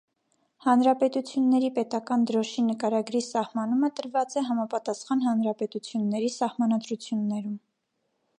Հանրապետությունների պետական դրոշի նկարագրի սահմանումը տրված է համապատասխան հանրապետությունների սահմանադրություններում։